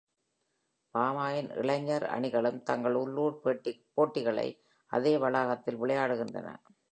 Parma இன் இளைஞர் அணிகளும் தங்கள் உள்ளூர் போட்டிகளை அதே வளாகத்தில் விளையாடுகின்றன.